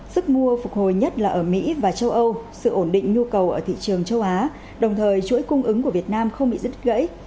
sức mua phục hồi nhất là ở mỹ và châu âu sự ổn định nhu cầu ở thị trường châu á đồng thời chuỗi cung ứng của việt nam không bị rứt gãy